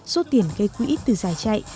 số tiền gây quỹ từ giải chạy